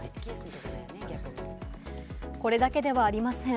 これだけではありません。